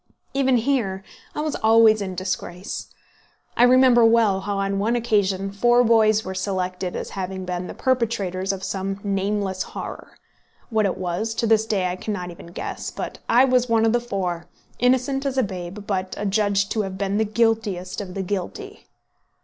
Even here, I was always in disgrace. I remember well how, on one occasion, four boys were selected as having been the perpetrators of some nameless horror. What it was, to this day I cannot even guess; but I was one of the four, innocent as a babe, but adjudged to have been the guiltiest of the guilty.